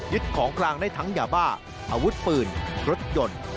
ของกลางได้ทั้งยาบ้าอาวุธปืนรถยนต์